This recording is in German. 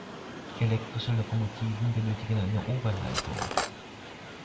Elektrische Lokomotiven benötigen eine Oberleitung.